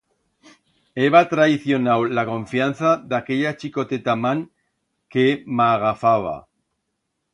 Heba traicionau la confianza d'aquella chicoteta man que m'agafaba.